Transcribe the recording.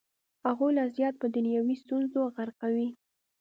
هغوی لا زیات په دنیوي ستونزو غرقوي.